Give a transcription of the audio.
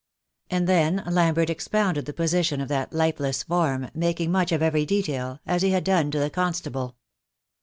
And then Lambert expounded the position of that lifeless form, making much of every detail, as he had done to the constable.